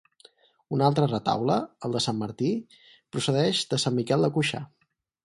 Un altre retaule, el de Sant Martí, procedeix de Sant Miquel de Cuixà.